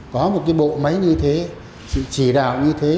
có một cái bộ máy như thế sự chỉ đạo như thế